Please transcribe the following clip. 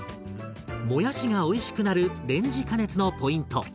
もやしがおいしくなるレンジ加熱のポイント。